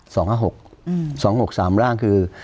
สองห้าหกสามร่างคือ